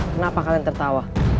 kenapa kalian tertawa